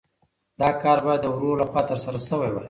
دا کار باید د ورور لخوا ترسره شوی وای.